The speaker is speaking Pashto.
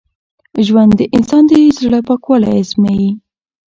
ژوند د انسان د زړه پاکوالی ازمېيي.